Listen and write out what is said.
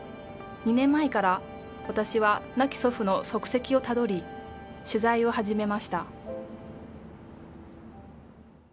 ２年前から私は亡き祖父の足跡をたどり取材を始めました